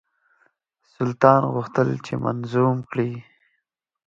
سلطان غوښتل چې منظوم کړي.